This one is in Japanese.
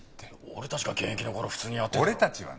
俺たちが現役の頃は普通にやってただろ。